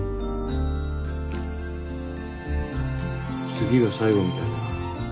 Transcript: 次が最後みたいだな。